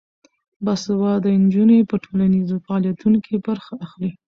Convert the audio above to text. باسواده نجونې په ټولنیزو فعالیتونو کې برخه اخلي.